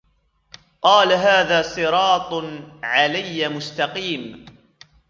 قال هذا صراط علي مستقيم